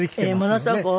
ものすごく大きい。